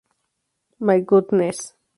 My Goddess.